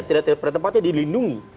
tidak terpada tempatnya dilindungi